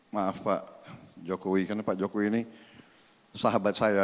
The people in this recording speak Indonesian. maaf pak jokowi karena pak jokowi ini sahabat saya